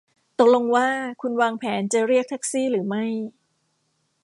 ตกลงว่าคุณวางแผนจะเรียกแท็กซี่หรือไม่